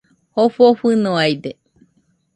Jofo fɨnoaide